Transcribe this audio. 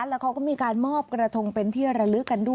หนีผีมาให้เลือด